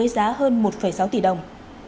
giá hơn một sáu tỷ đồng